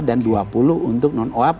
dan dua puluh untuk non oap